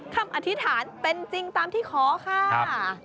คำอธิษฐานเป็นจริงตามที่ขอค่ะ